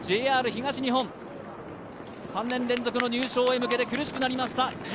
ＪＲ東日本、３年連続の入賞へ向けて苦しくなりました。